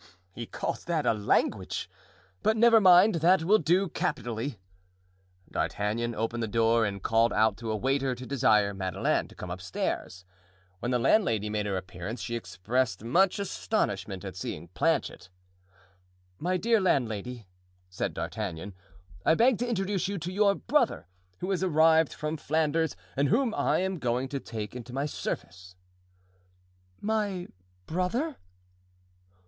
"He calls that a language! But never mind, that will do capitally." D'Artagnan opened the door and called out to a waiter to desire Madeleine to come upstairs. When the landlady made her appearance she expressed much astonishment at seeing Planchet. "My dear landlady," said D'Artagnan, "I beg to introduce to you your brother, who is arrived from Flanders and whom I am going to take into my service." "My brother?"